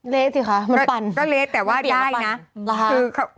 เล้กสิคะมันปั่น